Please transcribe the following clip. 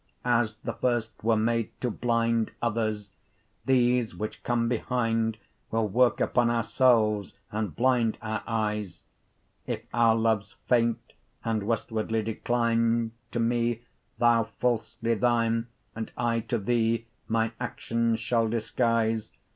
15 As the first were made to blinde Others; these which come behinde Will worke upon our selves, and blind our eyes. If our loves faint, and westwardly decline; To me thou, falsly, thine, 20 And I to thee mine actions shall disguise.